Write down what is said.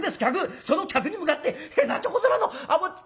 その客に向かってへなちょこ面のあぼち」。